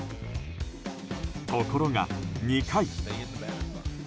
ところが、２回。